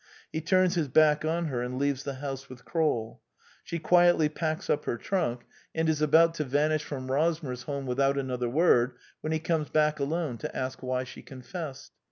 He turns his back on her and leaves the house with KroU. She quietly packs up her trunk, and is about to vanish The Anti Idealist Plays 119 from Rosmersholm without another word when he comes back alone to ask why she confessed.